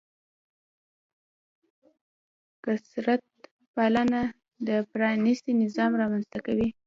کثرت پالنه یو پرانیستی نظام رامنځته کوي.